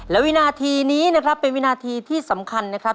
และวินาทีนี้นะครับเป็นวินาทีที่สำคัญนะครับ